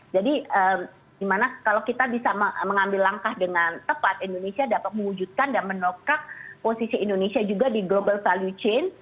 jadi kalau kita bisa mengambil langkah dengan tepat indonesia dapat mengwujudkan dan menokrak posisi indonesia juga di global value chain